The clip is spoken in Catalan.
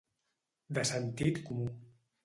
De sentit comú.